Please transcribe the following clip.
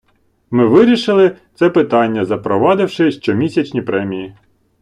Ми вирішили це питання, запровадивши щомісячні премії.